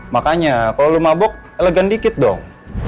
makanya kalau lo mabok elegan dikit dong